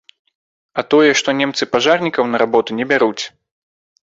А тое, што немцы пажарнікаў на работы не бяруць.